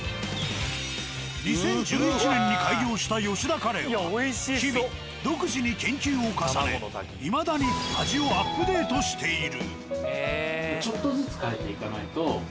２０１１年に開業した「吉田カレー」は日々独自に研究を重ねいまだに味をアップデートしている。